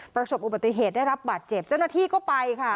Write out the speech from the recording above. ประสบอุบัติเหตุได้รับบาดเจ็บเจ้าหน้าที่ก็ไปค่ะ